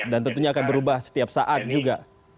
dan tentunya akan berubah setiap saat juga